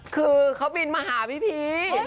คือเขาบินมาหาพี่พี